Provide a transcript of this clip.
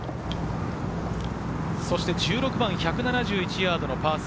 そして１６番１７１ヤードのパー３。